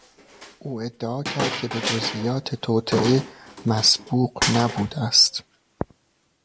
او ادعا کرد که به جزئیات توطئه مسبوق نبوده است.